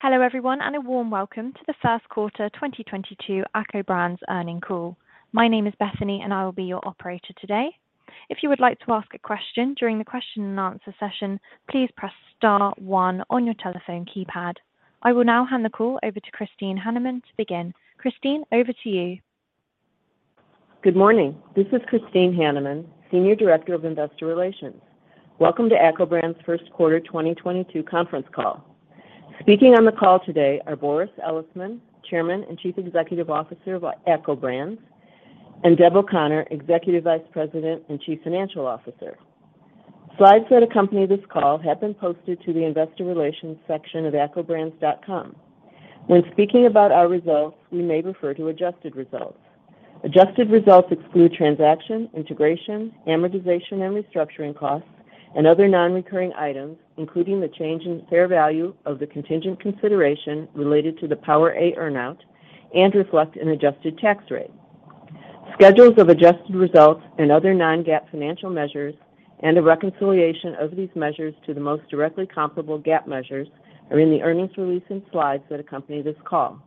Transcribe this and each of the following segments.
Hello everyone, and a warm welcome to the First Quarter 2022 ACCO Brands Earnings Call. My name is Bethany, and I will be your operator today. If you would like to ask a question during the question and answer session, please press star one on your telephone keypad. I will now hand the call over to Christine Hanneman to begin. Christine, over to you. Good morning. This is Christine Hanneman, Senior Director of Investor Relations. Welcome to ACCO Brands first quarter 2022 conference call. Speaking on the call today are Boris Elisman, Chairman and Chief Executive Officer of ACCO Brands, and Deb O'Connor, Executive Vice President and Chief Financial Officer. Slides that accompany this call have been posted to the Investor Relations section of accobrands.com. When speaking about our results, we may refer to adjusted results. Adjusted results exclude transaction, integration, amortization, and restructuring costs and other non-recurring items, including the change in fair value of the contingent consideration related to the PowerA earn-out and reflect an adjusted tax rate. Schedules of adjusted results and other non-GAAP financial measures and the reconciliation of these measures to the most directly comparable GAAP measures are in the earnings release and slides that accompany this call.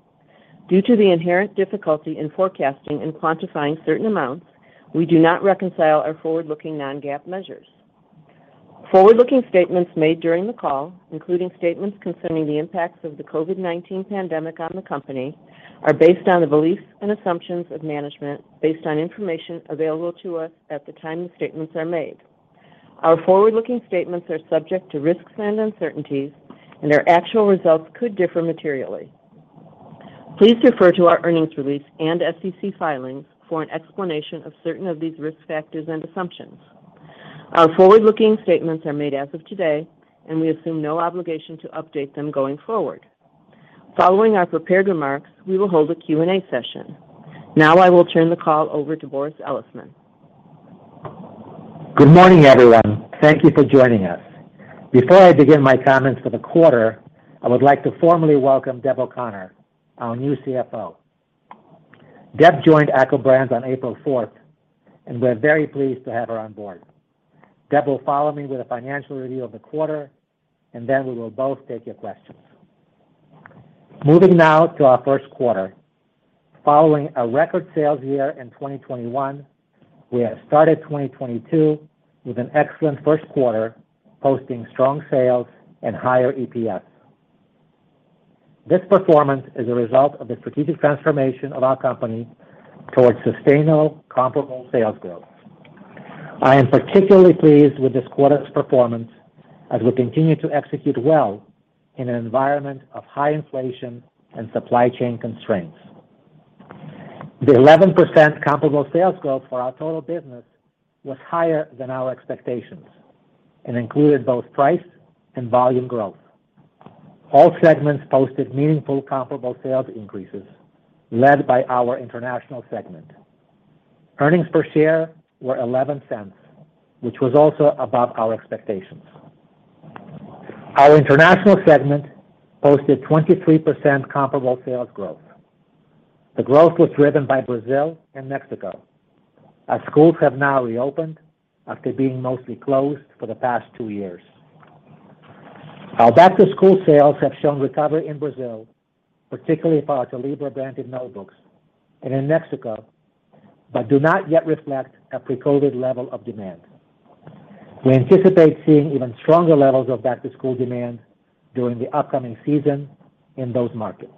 Due to the inherent difficulty in forecasting and quantifying certain amounts, we do not reconcile our forward-looking non-GAAP measures. Forward-looking statements made during the call, including statements concerning the impacts of the COVID-19 pandemic on the company, are based on the beliefs and assumptions of management based on information available to us at the time the statements are made. Our forward-looking statements are subject to risks and uncertainties, and our actual results could differ materially. Please refer to our earnings release and SEC filings for an explanation of certain of these risk factors and assumptions. Our forward-looking statements are made as of today, and we assume no obligation to update them going forward. Following our prepared remarks, we will hold a Q&A session. Now I will turn the call over to Boris Elisman. Good morning, everyone. Thank you for joining us. Before I begin my comments for the quarter, I would like to formally welcome Deb O'Connor, our new CFO. Deb joined ACCO Brands on April 4th, and we're very pleased to have her on board. Deb will follow me with a financial review of the quarter, and then we will both take your questions. Moving now to our first quarter. Following a record sales year in 2021, we have started 2022 with an excellent first quarter, posting strong sales and higher EPS. This performance is a result of the strategic transformation of our company towards sustainable, comparable sales growth. I am particularly pleased with this quarter's performance as we continue to execute well in an environment of high inflation and supply chain constraints. The 11% comparable sales growth for our total business was higher than our expectations and included both price and volume growth. All segments posted meaningful comparable sales increases, led by our international segment. Earnings per share were $0.11, which was also above our expectations. Our international segment posted 23% comparable sales growth. The growth was driven by Brazil and Mexico, as schools have now reopened after being mostly closed for the past two years. Our back-to-school sales have shown recovery in Brazil, particularly for our Tilibra branded notebooks, and in Mexico, but do not yet reflect a pre-COVID level of demand. We anticipate seeing even stronger levels of back-to-school demand during the upcoming season in those markets.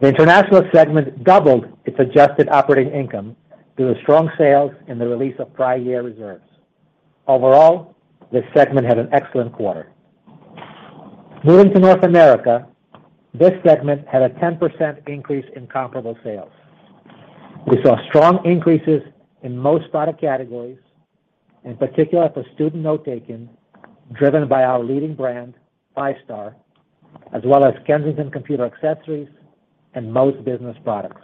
The international segment doubled its adjusted operating income due to strong sales and the release of prior year reserves. Overall, this segment had an excellent quarter. Moving to North America, this segment had a 10% increase in comparable sales. We saw strong increases in most product categories, in particular for student note-taking, driven by our leading brand, Five Star, as well as Kensington computer accessories and most business products.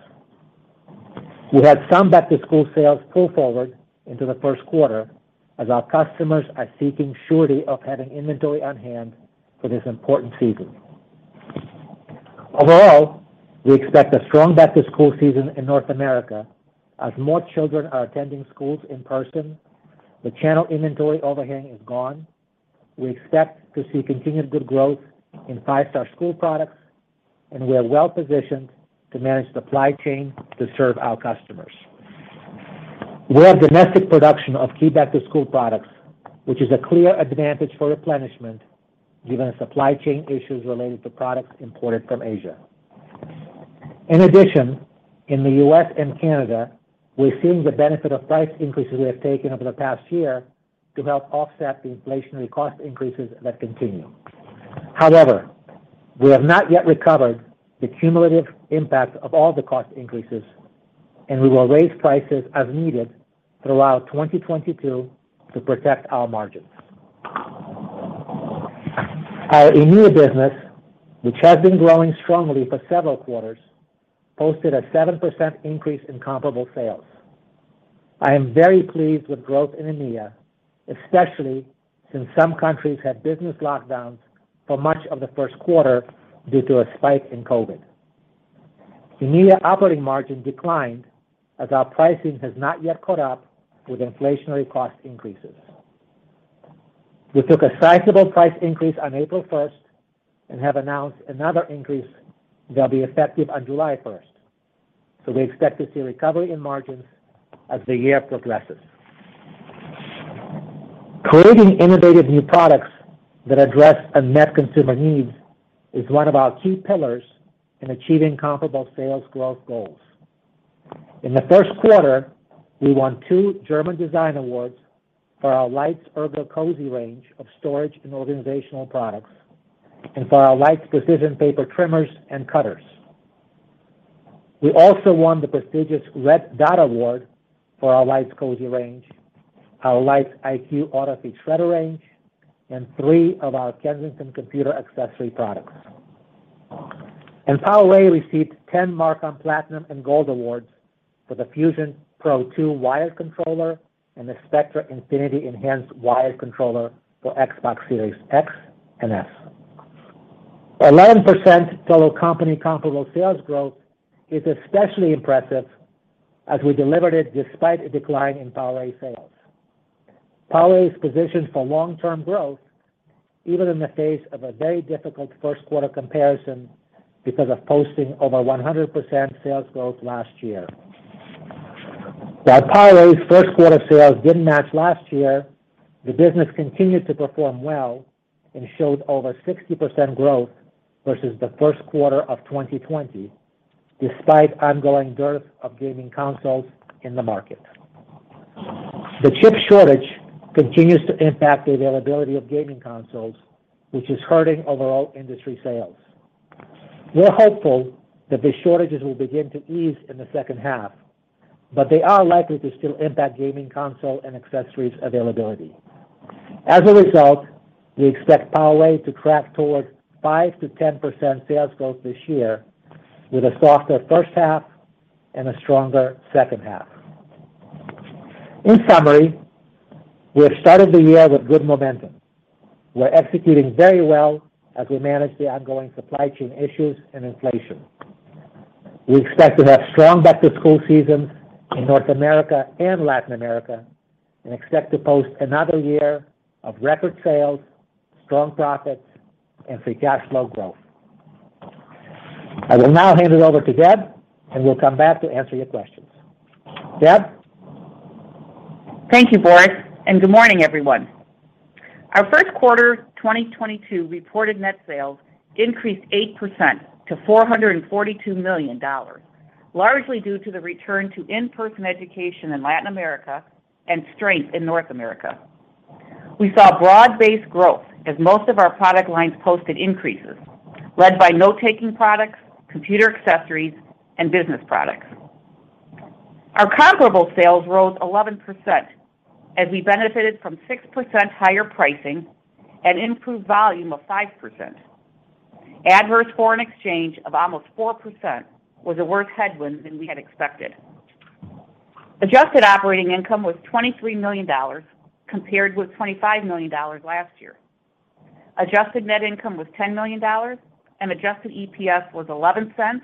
We had some back-to-school sales pull forward into the first quarter as our customers are seeking surety of having inventory on hand for this important season. Overall, we expect a strong back-to-school season in North America as more children are attending schools in person. The channel inventory overhang is gone. We expect to see continued good growth in Five Star school products, and we are well-positioned to manage supply chain to serve our customers. We have domestic production of key back-to-school products, which is a clear advantage for replenishment given supply chain issues related to products imported from Asia. In addition, in the U.S. and Canada, we're seeing the benefit of price increases we have taken over the past year to help offset the inflationary cost increases that continue. However, we have not yet recovered the cumulative impact of all the cost increases, and we will raise prices as needed throughout 2022 to protect our margins. Our EMEA business, which has been growing strongly for several quarters, posted a 7% increase in comparable sales. I am very pleased with growth in EMEA, especially since some countries had business lockdowns for much of the first quarter due to a spike in COVID. The EMEA operating margin declined as our pricing has not yet caught up with inflationary cost increases. We took a sizable price increase on April 1st and have announced another increase that'll be effective on July 1st. We expect to see recovery in margins as the year progresses. Creating innovative new products that address unmet consumer needs is one of our key pillars in achieving comparable sales growth goals. In the first quarter, we won two German Design Awards for our Leitz Ergo Cosy range of storage and organizational products, and for our Leitz Precision paper trimmers and cutters. We also won the prestigious Red Dot Award for our Leitz Cosy range, our Leitz IQ Autofeed shredder range, and three of our Kensington computer accessory products. PowerA received 10 MarCom Platinum and Gold Awards for the FUSION Pro 2 wired controller and the Spectra Infinity Enhanced wired controller for Xbox Series X and S. 11% full company comparable sales growth is especially impressive as we delivered it despite a decline in PowerA sales. PowerA is positioned for long-term growth even in the face of a very difficult first quarter comparison because of posting over 100% sales growth last year. While PowerA's first quarter sales didn't match last year, the business continued to perform well and showed over 60% growth versus the first quarter of 2020, despite ongoing dearth of gaming consoles in the market. The chip shortage continues to impact the availability of gaming consoles, which is hurting overall industry sales. We're hopeful that the shortages will begin to ease in the second half, but they are likely to still impact gaming console and accessories availability. As a result, we expect PowerA to track towards 5%-10% sales growth this year with a softer first half and a stronger second half. In summary, we have started the year with good momentum. We're executing very well as we manage the ongoing supply chain issues and inflation. We expect to have strong back-to-school season in North America and Latin America, and expect to post another year of record sales, strong profits, and free cash flow growth. I will now hand it over to Deb, and we'll come back to answer your questions. Deb? Thank you, Boris, and good morning, everyone. Our first quarter 2022 reported net sales increased 8% to $442 million, largely due to the return to in-person education in Latin America and strength in North America. We saw broad-based growth as most of our product lines posted increases led by note-taking products, computer accessories, and business products. Our comparable sales rose 11% as we benefited from 6% higher pricing and improved volume of 5%. Adverse foreign exchange of almost 4% was a worse headwind than we had expected. Adjusted operating income was $23 million, compared with $25 million last year. Adjusted net income was $10 million, and adjusted EPS was $0.11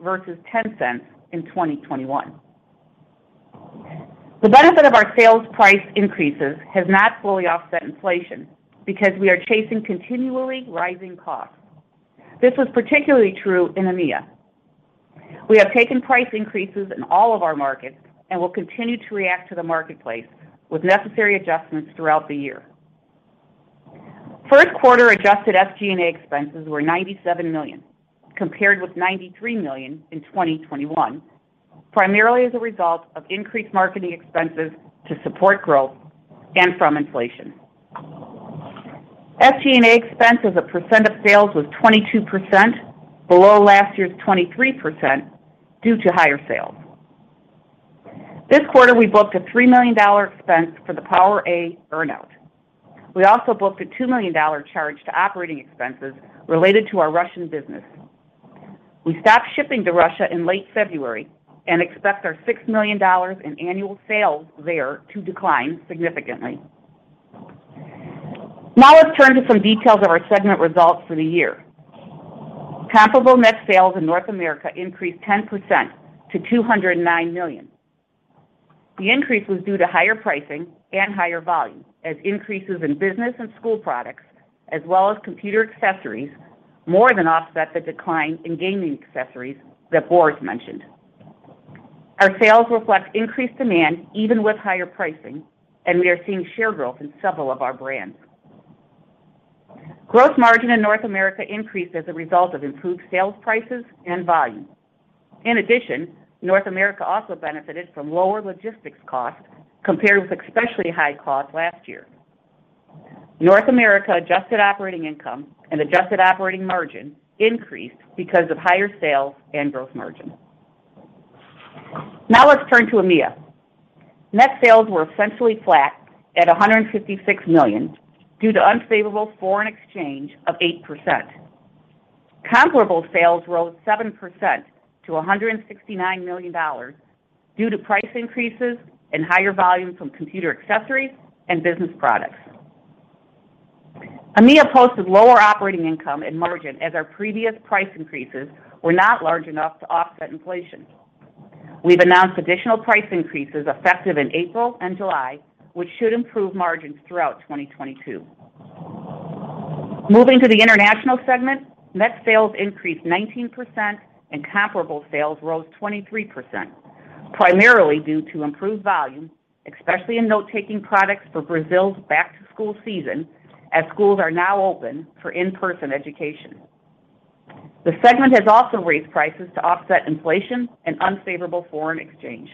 versus $0.10 in 2021. The benefit of our sales price increases has not fully offset inflation because we are chasing continually rising costs. This was particularly true in EMEA. We have taken price increases in all of our markets and will continue to react to the marketplace with necessary adjustments throughout the year. First quarter adjusted SG&A expenses were $97 million, compared with $93 million in 2021, primarily as a result of increased marketing expenses to support growth and from inflation. SG&A expense as a percent of sales was 22%, below last year's 23% due to higher sales. This quarter, we booked a $3 million expense for the PowerA earn-out. We also booked a $2 million charge to operating expenses related to our Russian business. We stopped shipping to Russia in late February and expect our $6 million in annual sales there to decline significantly. Now let's turn to some details of our segment results for the year. Comparable net sales in North America increased 10% to $209 million. The increase was due to higher pricing and higher volume as increases in business and school products, as well as computer accessories, more than offset the decline in gaming accessories that Boris mentioned. Our sales reflect increased demand even with higher pricing, and we are seeing share growth in several of our brands. Gross margin in North America increased as a result of improved sales prices and volume. In addition, North America also benefited from lower logistics costs compared with especially high costs last year. North America adjusted operating income and adjusted operating margin increased because of higher sales and gross margin. Now let's turn to EMEA. Net sales were essentially flat at $156 million due to unfavorable foreign exchange of 8%. Comparable sales rose 7% to $169 million due to price increases and higher volume from computer accessories and business products. EMEA posted lower operating income and margin as our previous price increases were not large enough to offset inflation. We've announced additional price increases effective in April and July, which should improve margins throughout 2022. Moving to the international segment. Net sales increased 19% and comparable sales rose 23%, primarily due to improved volume, especially in note-taking products for Brazil's back-to-school season as schools are now open for in-person education. The segment has also raised prices to offset inflation and unfavorable foreign exchange.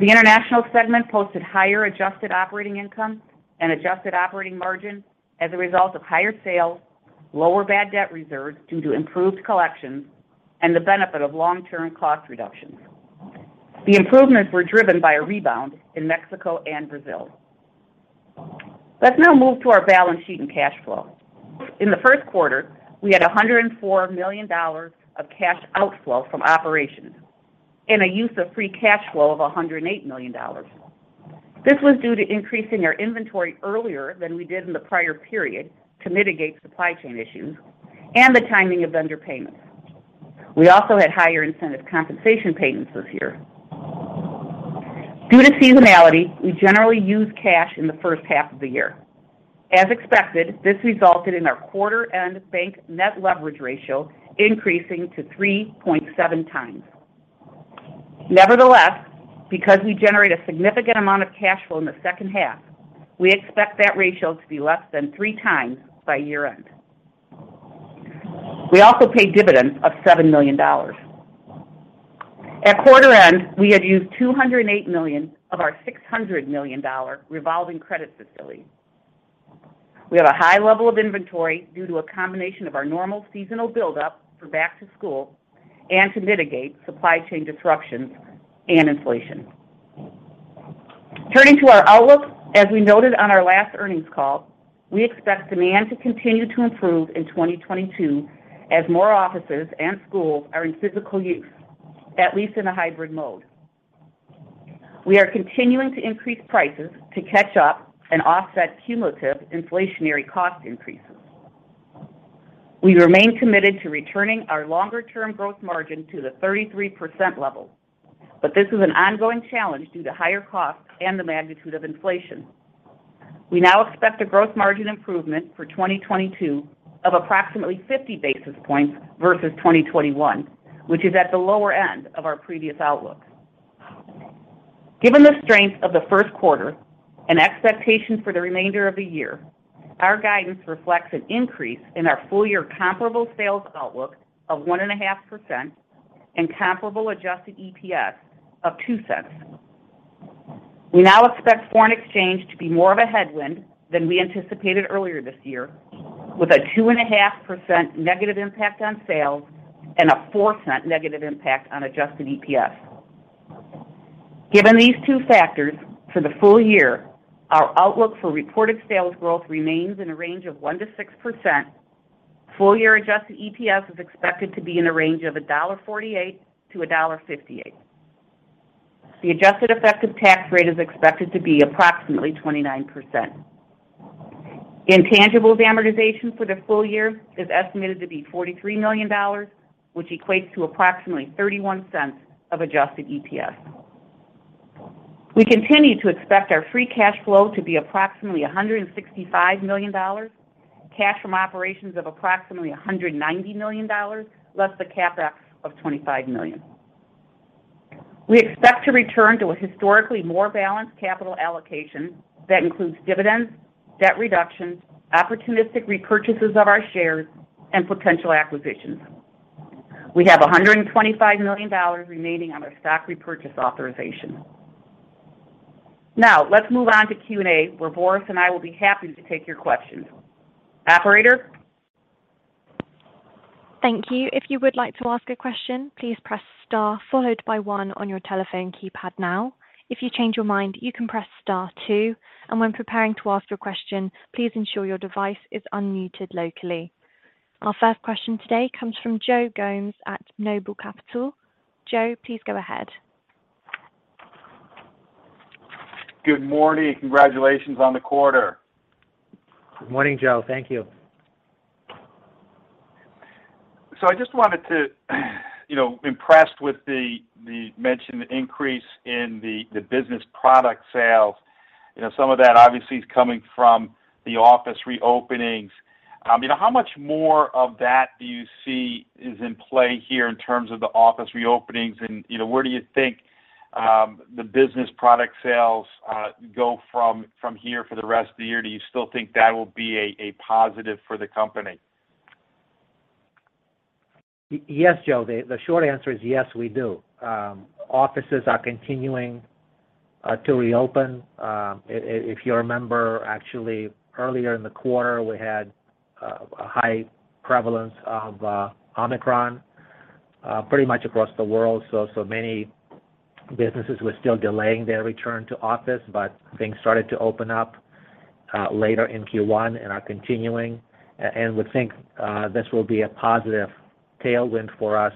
The international segment posted higher adjusted operating income and adjusted operating margin as a result of higher sales, lower bad debt reserves due to improved collections, and the benefit of long-term cost reductions. The improvements were driven by a rebound in Mexico and Brazil. Let's now move to our balance sheet and cash flow. In the first quarter, we had $104 million of cash outflow from operations and a use of free cash flow of $108 million. This was due to increasing our inventory earlier than we did in the prior period to mitigate supply chain issues and the timing of vendor payments. We also had higher incentive compensation payments this year. Due to seasonality, we generally use cash in the first half of the year. As expected, this resulted in our quarter end bank net leverage ratio increasing to 3.7x. Nevertheless, because we generate a significant amount of cash flow in the second half, we expect that ratio to be less than 3x by year-end. We also paid dividends of $7 million. At quarter end, we had used $208 million of our $600 million revolving credit facility. We have a high level of inventory due to a combination of our normal seasonal buildup for back-to-school and to mitigate supply chain disruptions and inflation. Turning to our outlook, as we noted on our last earnings call, we expect demand to continue to improve in 2022 as more offices and schools are in physical use, at least in a hybrid mode. We are continuing to increase prices to catch up and offset cumulative inflationary cost increases. We remain committed to returning our longer-term growth margin to the 33% level, but this is an ongoing challenge due to higher costs and the magnitude of inflation. We now expect a growth margin improvement for 2022 of approximately 50 basis points versus 2021, which is at the lower end of our previous outlook. Given the strength of the first quarter and expectations for the remainder of the year, our guidance reflects an increase in our full-year comparable sales outlook of 1.5% and comparable adjusted EPS of $0.02. We now expect foreign exchange to be more of a headwind than we anticipated earlier this year with a 2.5% negative impact on sales and a $0.04 negative impact on adjusted EPS. Given these two factors, for the full-year, our outlook for reported sales growth remains in a range of 1%-6%. Full-year adjusted EPS is expected to be in the range of $1.48-$1.58. The adjusted effective tax rate is expected to be approximately 29%. Intangibles amortization for the full-year is estimated to be $43 million, which equates to approximately $0.31 of adjusted EPS. We continue to expect our free cash flow to be approximately $165 million, cash from operations of approximately $190 million, less the CapEx of $25 million. We expect to return to a historically more balanced capital allocation that includes dividends, debt reductions, opportunistic repurchases of our shares, and potential acquisitions. We have $125 million remaining on our stock repurchase authorization. Now, let's move on to Q&A, where Boris and I will be happy to take your questions. Operator? Thank you. If you would like to ask a question, please press star followed by one on your telephone keypad now. If you change your mind, you can press star two, and when preparing to ask your question, please ensure your device is unmuted locally. Our first question today comes from Joe Gomes at NOBLE Capital. Joe, please go ahead. Good morning. Congratulations on the quarter. Good morning, Joe. Thank you. I just wanted to, you know, impressed with the mentioned increase in the business product sales. You know, some of that obviously is coming from the office reopenings. You know, how much more of that do you see is in play here in terms of the office reopenings and you know, where do you think the business product sales go from here for the rest of the year? Do you still think that will be a positive for the company? Yes, Joe. The short answer is yes, we do. Offices are continuing to reopen. If you remember, actually earlier in the quarter, we had a high prevalence of Omicron pretty much across the world. So many businesses were still delaying their return to office, but things started to open up later in Q1 and are continuing and we think this will be a positive tailwind for us.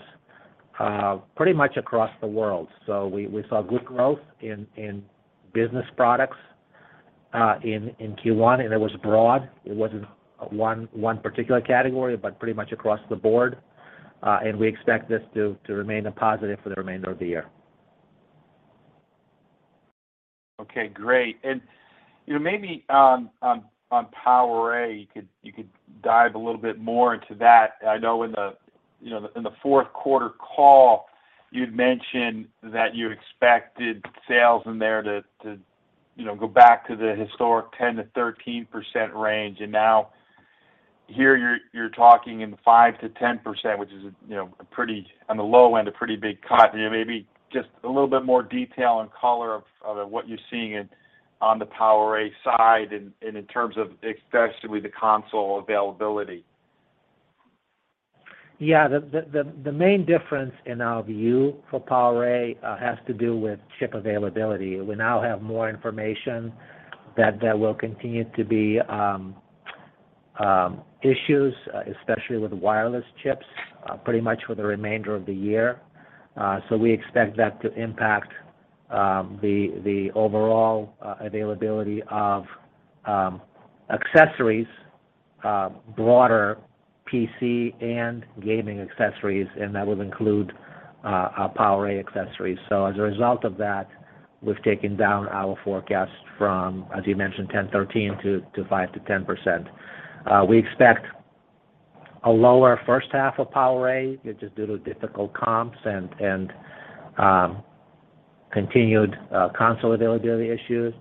Pretty much across the world. We saw good growth in business products in Q1, and it was broad. It wasn't one particular category, but pretty much across the board. We expect this to remain a positive for the remainder of the year. Okay, great. You know, maybe on PowerA, you could dive a little bit more into that. I know in the fourth quarter call, you know, you'd mentioned that you expected sales in there to go back to the historic 10%-13% range. Now here you're talking in the 5%-10%, which is a pretty, on the low end, a pretty big cut. You know, maybe just a little bit more detail and color of what you're seeing on the PowerA side and in terms of especially the console availability. Yeah. The main difference in our view for PowerA has to do with chip availability. We now have more information that there will continue to be issues, especially with wireless chips pretty much for the remainder of the year. So we expect that to impact the overall availability of accessories, broader PC and gaming accessories, and that would include our PowerA accessories. As a result of that, we've taken down our forecast from, as you mentioned, 10%-13% to 5%-10%. We expect a lower first half of PowerA, which is due to difficult comps and continued console availability issues,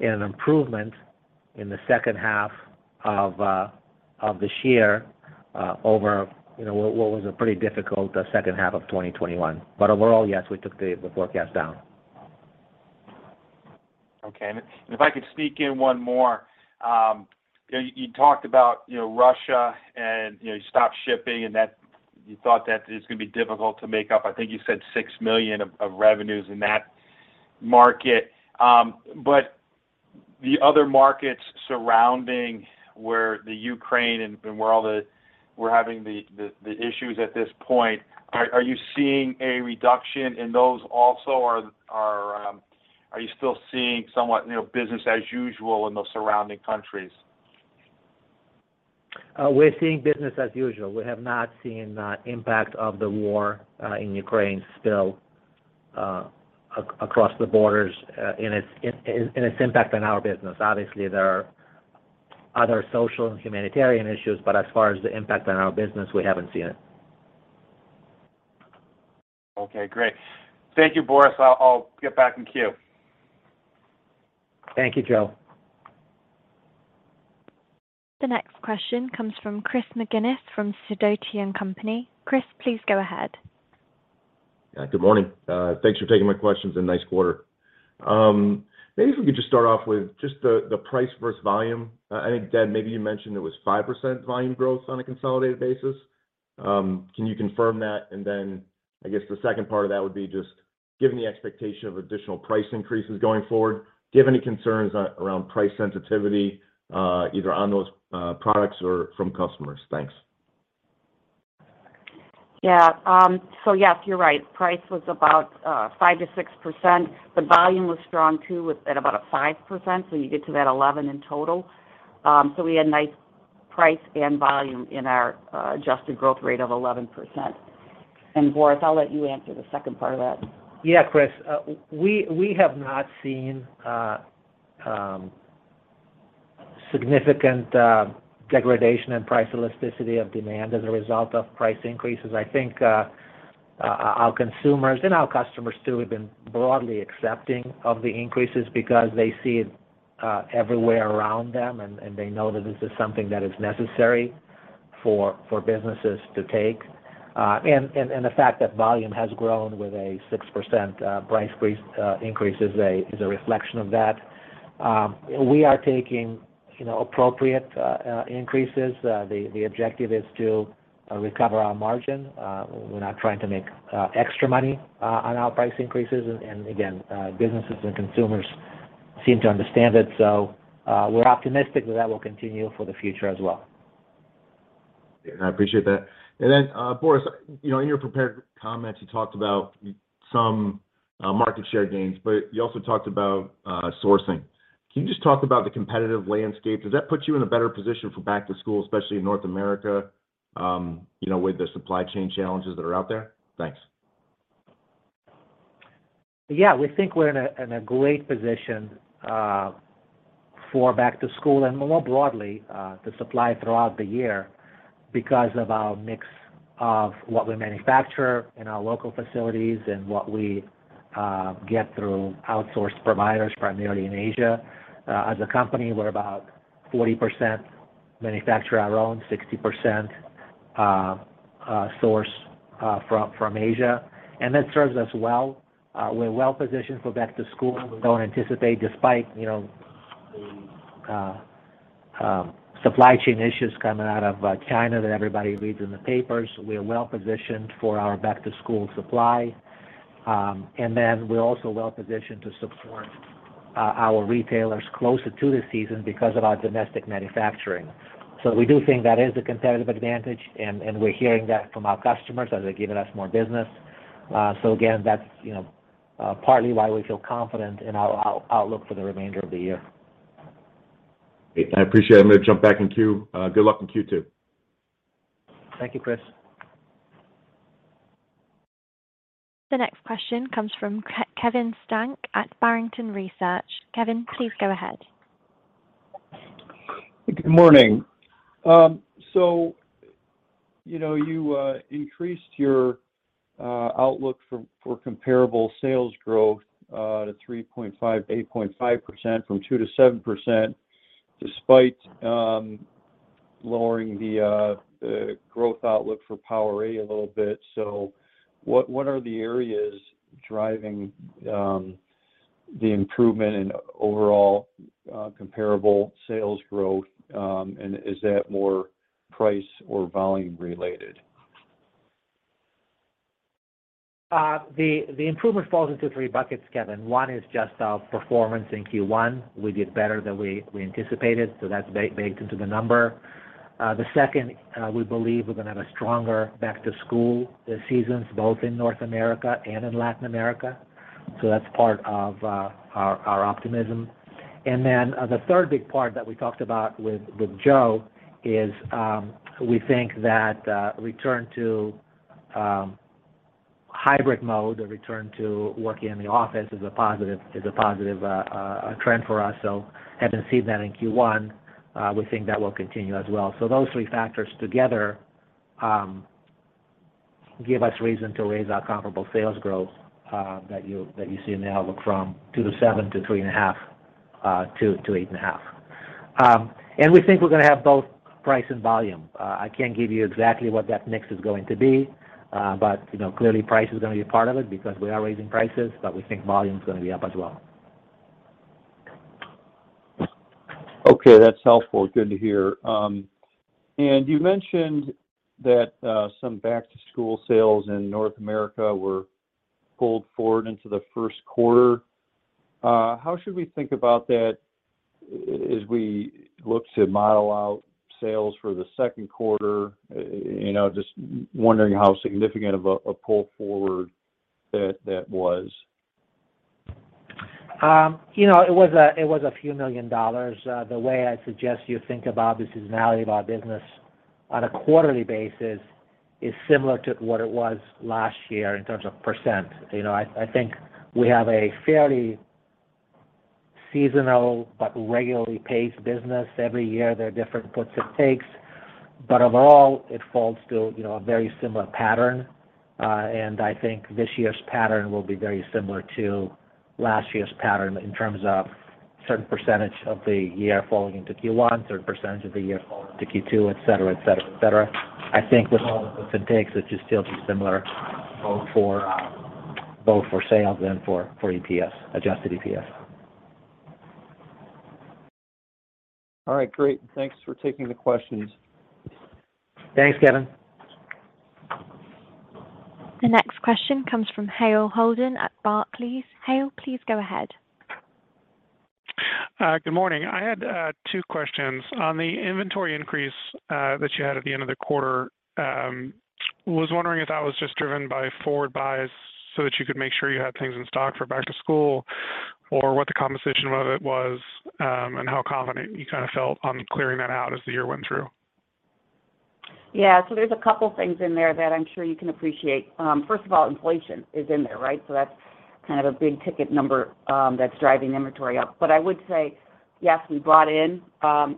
and improvement in the second half of this year over what was a pretty difficult second half of 2021. Overall, yes, we took the forecast down. Okay. If I could sneak in one more. You know, you talked about, you know, Russia and you know, you stopped shipping, and that you thought that it's gonna be difficult to make up, I think you said $6 million of revenues in that market. But the other markets surrounding where Ukraine and where all the we're having the issues at this point, are you seeing a reduction in those also? Or are you still seeing somewhat, you know, business as usual in the surrounding countries? We're seeing business as usual. We have not seen the impact of the war in Ukraine spill across the borders in its impact on our business. Obviously, there are other social and humanitarian issues, but as far as the impact on our business, we haven't seen it. Okay, great. Thank you, Boris. I'll get back in queue. Thank you, Joe. The next question comes from Chris McGinnis from Sidoti & Company. Chris, please go ahead. Yeah. Good morning. Thanks for taking my questions, and nice quarter. Maybe if we could just start off with the price versus volume. I think, Deb, maybe you mentioned it was 5% volume growth on a consolidated basis. Can you confirm that? Then I guess the second part of that would be, given the expectation of additional price increases going forward, do you have any concerns around price sensitivity, either on those products or from customers? Thanks. Yeah. Yes, you're right. Price was about 5%-6%. The volume was strong too at about 5%, so you get to that 11% in total. We had nice price and volume in our adjusted growth rate of 11%. Boris, I'll let you answer the second part of that. Yeah, Chris. We have not seen significant degradation in price elasticity of demand as a result of price increases. I think our consumers and our customers too have been broadly accepting of the increases because they see it everywhere around them, and they know that this is something that is necessary for businesses to take. The fact that volume has grown with a 6% price increase is a reflection of that. We are taking, you know, appropriate increases. The objective is to recover our margin. We're not trying to make extra money on our price increases and again, businesses and consumers seem to understand it, so we're optimistic that that will continue for the future as well. Yeah. I appreciate that. Boris, you know, in your prepared comments, you talked about some market share gains, but you also talked about sourcing. Can you just talk about the competitive landscape? Does that put you in a better position for back-to-school, especially in North America, you know, with the supply chain challenges that are out there? Thanks. Yeah. We think we're in a great position for back-to-school and more broadly to supply throughout the year because of our mix of what we manufacture in our local facilities and what we get through outsourced providers, primarily in Asia. As a company, we're about 40% manufacture our own, 60% source from Asia, and that serves us well. We're well-positioned for back-to-school. We don't anticipate despite you know the supply chain issues coming out of China that everybody reads in the papers. We're well-positioned for our back-to-school supply. We're also well-positioned to support our retailers closer to the season because of our domestic manufacturing. We do think that is a competitive advantage, and we're hearing that from our customers as they're giving us more business. Again, that's, you know, partly why we feel confident in our outlook for the remainder of the year. Great. I appreciate it. I'm gonna jump back in queue. Good luck in Q2. Thank you, Chris. The next question comes from Kevin Steinke at Barrington Research. Kevin, please go ahead. Good morning. You know, you increased your outlook for comparable sales growth to 3.5%-8.5% from 2%-7% despite lowering the growth outlook for PowerA a little bit. What are the areas driving the improvement in overall comparable sales growth, and is that more price or volume related? The improvement falls into three buckets, Kevin. One is just our performance in Q1. We did better than we anticipated, so that's baked into the number. The second, we believe we're gonna have a stronger back-to-school this season, both in North America and in Latin America, so that's part of our optimism. The third big part that we talked about with Joe is, we think that return to hybrid mode or return to working in the office is a positive trend for us. Having seen that in Q1, we think that will continue as well. Those three factors together give us reason to raise our comparable sales growth that you see in the outlook from 2%-7% to 3.5%-8.5%. We think we're gonna have both price and volume. I can't give you exactly what that mix is going to be, but you know, clearly price is gonna be a part of it because we are raising prices, but we think volume's gonna be up as well. Okay. That's helpful. Good to hear. You mentioned that some back-to-school sales in North America were pulled forward into the first quarter. How should we think about that as we look to model out sales for the second quarter? You know, just wondering how significant of a pull forward that was. You know, it was a few million dollars. The way I suggest you think about the seasonality of our business on a quarterly basis is similar to what it was last year in terms of percent. You know, I think we have a fairly seasonal but regularly paced business. Every year, there are different puts and takes, but overall, it falls to, you know, a very similar pattern. I think this year's pattern will be very similar to last year's pattern in terms of certain percentage of the year falling into Q1, certain percentage of the year falling into Q2, et cetera. I think with all of the takes, it should still be similar both for sales and for EPS, adjusted EPS. All right. Great. Thanks for taking the questions. Thanks, Kevin. The next question comes from Hale Holden at Barclays. Hale, please go ahead. Good morning. I had two questions. On the inventory increase that you had at the end of the quarter, was wondering if that was just driven by forward buys so that you could make sure you had things in stock for back-to-school, or what the conversation of it was, and how confident you kinda felt on clearing that out as the year went through? Yeah. There's a couple things in there that I'm sure you can appreciate. First of all, inflation is in there, right? That's kind of a big ticket number, that's driving inventory up. I would say, yes, we brought in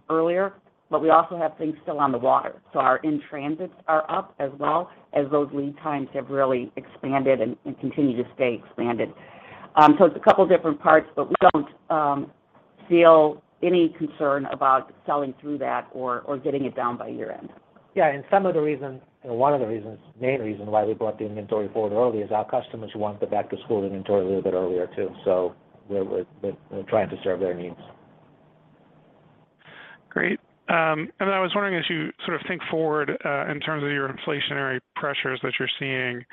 earlier, but we also have things still on the water. Our in transits are up as well as those lead times have really expanded and continue to stay expanded. It's a couple different parts, but we don't feel any concern about selling through that or getting it down by year-end. Yeah. Some of the reasons, you know, one of the reasons, main reason why we brought the inventory forward early is our customers want the back-to-school inventory a little bit earlier too. We're trying to serve their needs. Great. I was wondering as you sort of think forward, in terms of your inflationary pressures that you're seeing,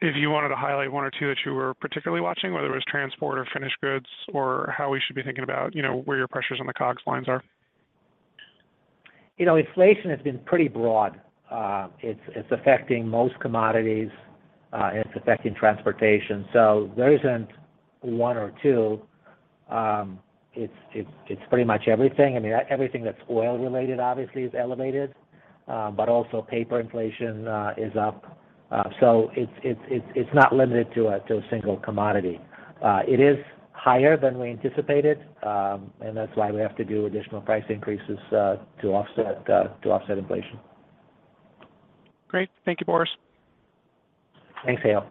if you wanted to highlight one or two that you were particularly watching, whether it was transport or finished goods, or how we should be thinking about, you know, where your pressures on the COGS lines are. You know, inflation has been pretty broad. It's affecting most commodities. It's affecting transportation. There isn't one or two. It's pretty much everything. I mean, everything that's oil related obviously is elevated, but also paper inflation is up. It's not limited to a single commodity. It is higher than we anticipated, and that's why we have to do additional price increases to offset inflation. Great. Thank you, Boris. Thanks, Hale.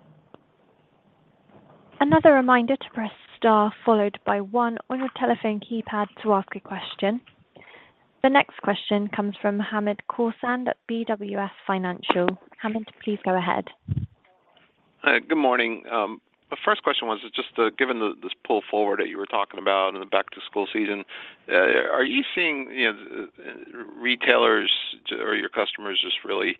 Another reminder to press star followed by one on your telephone keypad to ask a question. The next question comes from Hamed Khorsand, BWS Financial. Hamed, please go ahead. Good morning. The first question was just, given this pull forward that you were talking about in the back-to-school season, are you seeing, you know, retailers or your customers just really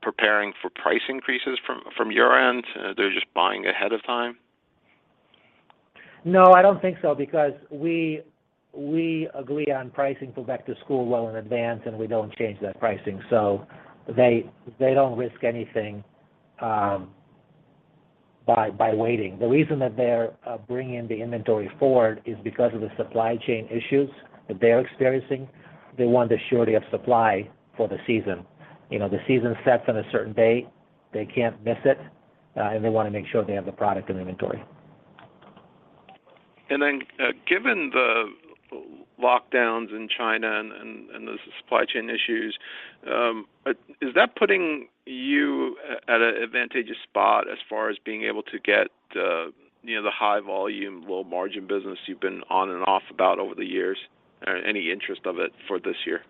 preparing for price increases from your end? They're just buying ahead of time? No, I don't think so because we agree on pricing for back-to-school well in advance, and we don't change that pricing. They don't risk anything by waiting. The reason that they're bringing the inventory forward is because of the supply chain issues that they're experiencing. They want the surety of supply for the season. You know, the season starts on a certain day, they can't miss it, and they wanna make sure they have the product in inventory. Given the lockdowns in China and the supply chain issues, is that putting you at an advantageous spot as far as being able to get the, you know, the high volume, low margin business you've been on and off about over the years or any interest in it for this year?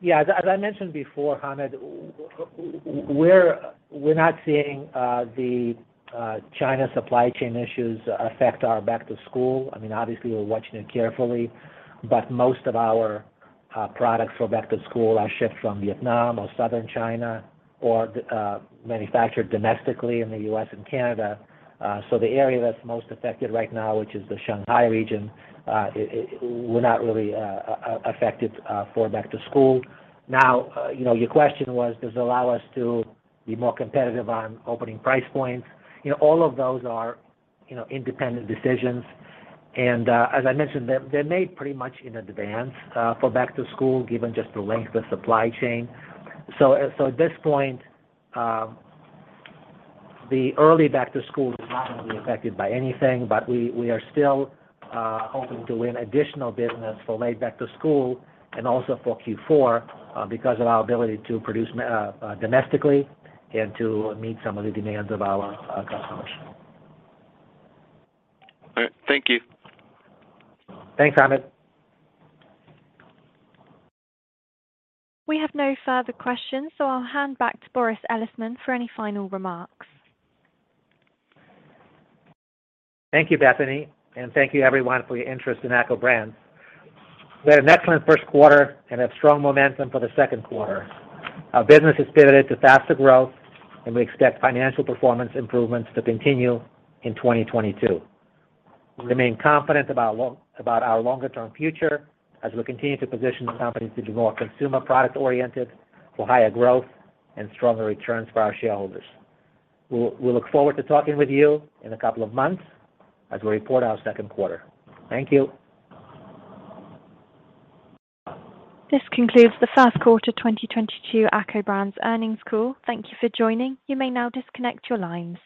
Yeah, as I mentioned before, Hamed, we're not seeing the China supply chain issues affect our back-to-school. I mean, obviously we're watching it carefully, but most of our products for back-to-school are shipped from Vietnam or Southern China or manufactured domestically in the U.S. and Canada. So the area that's most affected right now, which is the Shanghai region, we're not really affected for back-to-school. Now, you know, your question was does it allow us to be more competitive on opening price points, you know, all of those are, you know, independent decisions. As I mentioned, they're made pretty much in advance for back-to-school, given just the length of supply chain. At this point, the early back-to-school is not gonna be affected by anything, but we are still hoping to win additional business for late back-to-school and also for Q4, because of our ability to produce domestically and to meet some of the demands of our customers. All right. Thank you. Thanks, Hamed. We have no further questions, so I'll hand back to Boris Elisman for any final remarks. Thank you, Bethany. Thank you everyone for your interest in ACCO Brands. We had an excellent first quarter and have strong momentum for the second quarter. Our business has pivoted to faster growth and we expect financial performance improvements to continue in 2022. We remain confident about our longer term future as we continue to position the company to be more consumer product oriented for higher growth and stronger returns for our shareholders. We look forward to talking with you in a couple of months as we report our second quarter. Thank you. This concludes the first quarter 2022 ACCO Brands earnings call. Thank you for joining. You may now disconnect your lines.